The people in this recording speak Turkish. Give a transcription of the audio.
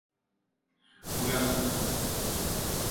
Uyan artık!